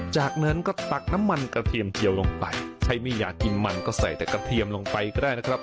จากนั้นก็ตักน้ำมันกระเทียมเจียวลงไปใครไม่อยากกินมันก็ใส่แต่กระเทียมลงไปก็ได้นะครับ